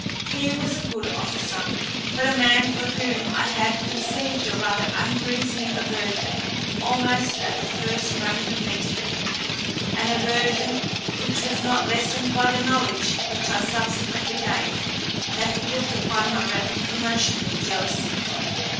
He was a good officer, but a man for whom I had conceived a rather unreasoning aversion almost at the first moment of meeting him, an aversion which was not lessened by the knowledge which I subsequently gained that he looked upon my rapid promotion with jealousy.